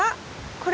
これ。